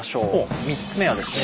３つ目はですね